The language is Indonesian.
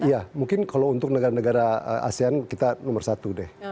ya mungkin kalau untuk negara negara asean kita nomor satu deh